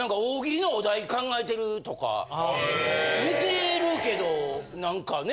・へぇ・寝てるけど何かね。